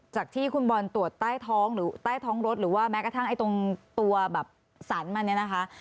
จากที่คุณบอลตรวจใต้ท้องหรือใต้ท้องรถหรือว่าแม้กระทั่งไอ้ตรงตัวแบบสันมันเนี่ยนะคะ